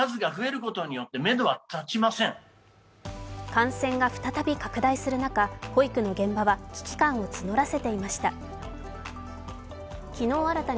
感染が再び拡大する中、保育の現場は危機感を募らせていました。